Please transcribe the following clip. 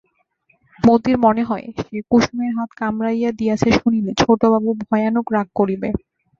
মতির মনে হয়, সে কুসুমের হাত কামড়াইয়া দিয়াছে শুনিলে ছোটবাবু ভয়ানক রাগ করিবে।